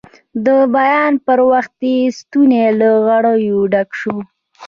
د بیان پر وخت یې ستونی له غریو ډک شو.